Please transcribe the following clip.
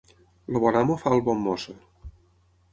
El bon amo fa el bon mosso.